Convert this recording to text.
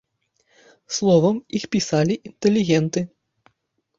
Словам, іх пісалі інтэлігенты.